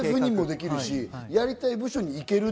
海外赴任もできるし、やりたい部署に行ける。